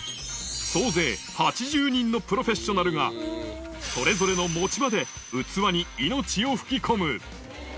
総勢８０人のプロフェッショナルが、それぞれの持ち場で器に命を吹き込む。